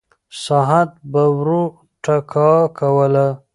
ساعت به ورو ټکا کوله.